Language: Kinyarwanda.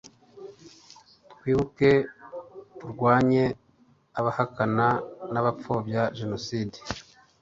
twibuke! turwanye abahakana n'abapfobya jenoside